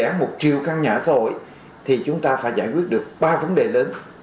để đảm bảo thực hiện đề án một triệu căn nhà ở xã hội thì chúng ta phải giải quyết được ba vấn đề lớn